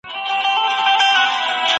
په خريد او فروش کي له دوکې ډډه وکړئ.